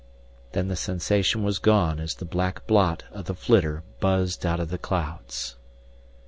Then the sensation was gone as the black blot of the flitter buzzed out of the clouds.